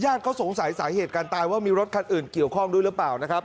เขาสงสัยสาเหตุการตายว่ามีรถคันอื่นเกี่ยวข้องด้วยหรือเปล่านะครับ